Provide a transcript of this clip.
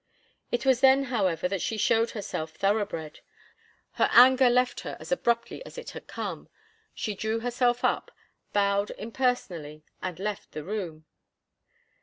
It was then, however, that she showed herself thoroughbred. Her anger left her as abruptly as it had come. She drew herself up, bowed impersonally, and left the room.